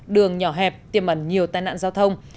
đường nhỏ hẹp tiềm ẩn nhiều tai nạn giao thông